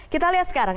kita lihat sekarang